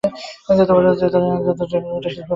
ঢিবির পাশে থেকে টেরাকোটা শিল্প পাওয়া গিয়েছে।